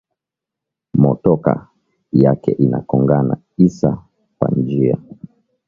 Motoka yake ina kongana isa pa njia